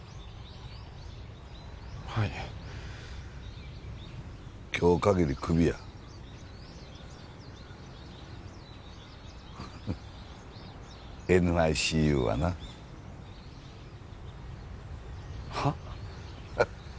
はい今日限りクビやＮＩＣＵはなはッ？